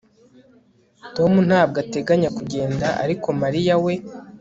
Tom ntabwo ateganya kugenda ariko Mariya we